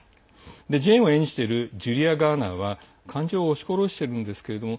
ジェーンを演じているジュリア・ガーナーは感情を押し殺してるんですけれども